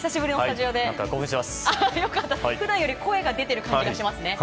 普段より声が出ている感じがします。